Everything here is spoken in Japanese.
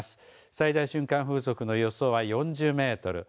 最大瞬間風速の予想は４０メートル。